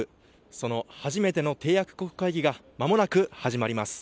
その初めての締約国会議が、まもなく始まります。